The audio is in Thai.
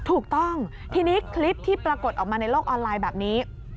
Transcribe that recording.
ถูกต้องทีนี้คลิปที่ปรากฏออกมาในโลกออนไลน์แบบนี้